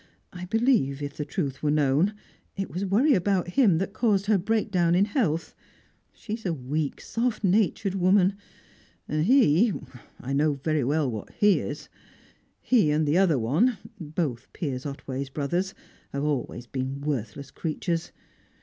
I believe, if the truth were known, it was worry about him that caused her breakdown in health. She's a weak, soft natured woman, and he I know very well what he is. He and the other one both Piers Otway's brothers have always been worthless creatures.